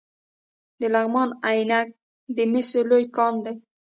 د لغمان عينک د مسو لوی کان دی